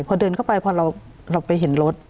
พอเดินเข้าไปพอเราไปเห็นรถ